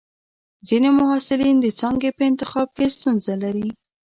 ځینې محصلین د څانګې په انتخاب کې ستونزه لري.